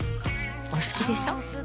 お好きでしょ。